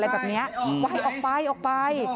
อะไรแบบนี้อยู่หายออกไปออกไป